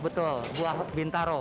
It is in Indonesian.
betul buah bintaro